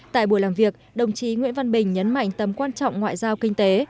tại buổi làm việc đồng chí nguyễn văn bình nhấn mạnh tầm quan trọng ngoại giao kinh tế